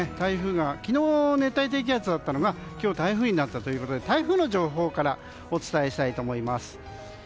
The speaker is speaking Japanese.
昨日、熱帯低気圧だったのが今日、台風になったということで台風の情報からお伝えします。